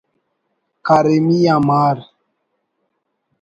”کاریمی آ مار“